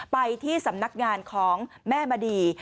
ไปที่สำนักงานของแม่มณี